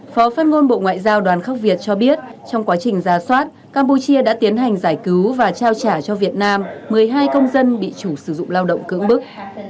phó phát ngôn bộ ngoại giao đoàn khắc việt cho biết trong quá trình ra soát campuchia đã tiến hành giải cứu và trao trả cho việt nam một mươi hai công dân bị chủ sử dụng lao động cưỡng bức